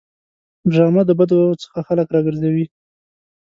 ډرامه د بدو څخه خلک راګرځوي